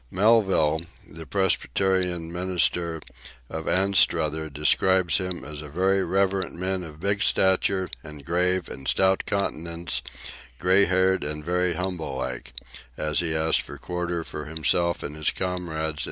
Melville, the Presbyterian minister of Anstruther, describes him as "a very reverend man of big stature and grave and stout countenance, grey haired and very humble like," as he asked quarter for himself and his comrades in misfortune.